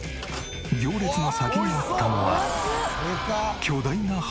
行列の先にあったのは巨大なハンバーガー。